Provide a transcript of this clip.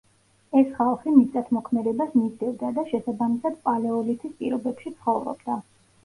ეს ხალხი მიწათმოქმედებას მისდევდა და შესაბამისად პალეოლითის პირობებში ცხოვრობდა.